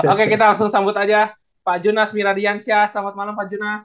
oke kita langsung sambut aja pak junas miradiansyah selamat malam pak junas